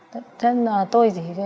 thế nên là tôi